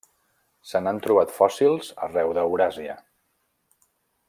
Se n'han trobat fòssils arreu d'Euràsia.